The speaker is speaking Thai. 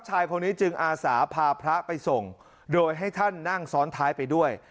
ชายคนนี้จึงอาสาพาพระไปส่งโดยให้ท่านนั่งซ้อนท้ายไปด้วย